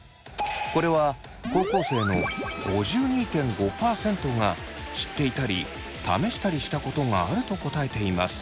これは高校生の５２．５％が知っていたり試したりしたことがあると答えています。